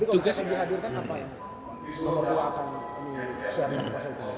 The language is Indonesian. bapak itu akan siapkan pasal itu